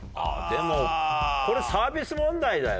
でもこれサービス問題だよね？